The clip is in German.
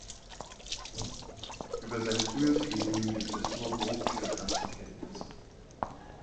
Über sein frühes Leben gibt es nur bruchstückhafte Kenntnisse.